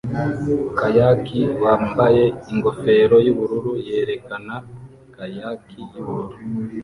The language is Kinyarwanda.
Kayakier wambaye ingofero yubururu yerekana kayaki yubururu